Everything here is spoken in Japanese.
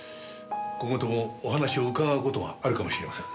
今後ともお話を伺う事があるかもしれません。